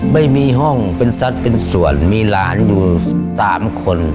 ไม่มีห้องเป็นสัตว์เป็นส่วนมีหลานอยู่๓คน